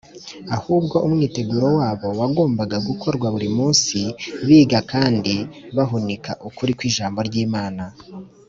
ahubwo umwiteguro wabo wagombaga gukorwa buri munsi biga kandi bahunika ukuri kw’ijambo ry’imana